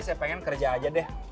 saya pengen kerja aja deh